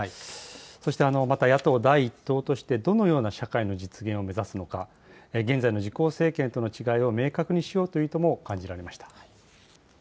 そして、また野党第１党として、どのような社会の実現を目指すのか、現在の自公政権との違いを明確にしようという意図も感じられました。